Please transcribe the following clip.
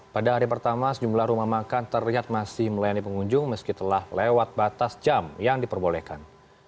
pada hari pertama sejumlah rumah makan terlihat masih melayani pengunjung meski telah lewat batas jam yang diperbolehkan